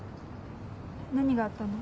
何があったの？